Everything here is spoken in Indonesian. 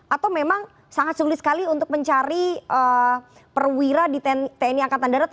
atau memang sangat sulit sekali untuk mencari perwira di tni angkatan darat